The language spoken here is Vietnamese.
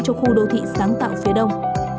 cho khu đô thị sáng tạo phía đông